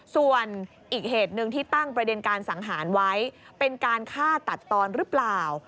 ส่วนอีกเหตุหนึ่งที่ตั้งประเด็นการสังหารไว้เป็นการฆ่าตัดตอนหรือเปล่า